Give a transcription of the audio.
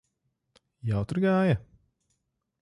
Jautri gāja?